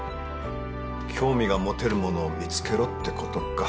興味が持てるものを見つけろってことか。